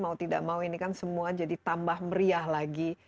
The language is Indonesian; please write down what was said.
mau tidak mau ini kan semua jadi tambah meriah lagi